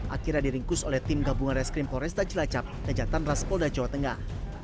akhirnya diringkus oleh tim gabungan reskrim floresta jelajap dan jatam raspol dari jawa tengah